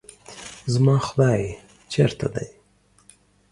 زما خداے چرته دے؟